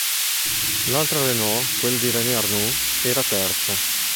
L'altra Renault, quella di René Arnoux era terza.